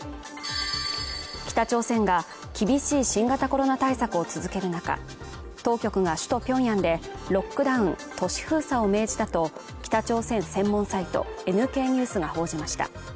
北朝鮮が厳しい新型コロナ対策を続ける中当局が首都ピョンヤンでロックダウン＝都市封鎖を命じたと北朝鮮専門サイトＮＫニュースが報じました